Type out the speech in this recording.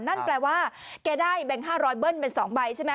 นั่นแปลว่าแกได้แบงค์๕๐๐เบิ้ลเป็น๒ใบใช่ไหม